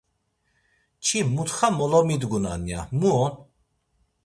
Çi mutxa molomidgunan ya, mu on?